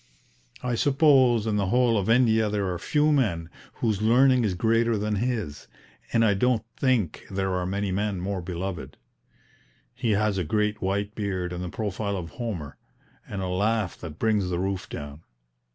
I suppose in the whole of India there are few men whose learning is greater than his, and I don't think there are many men more beloved. He has a great white beard and the profile of Homer, and a laugh that brings the roof down.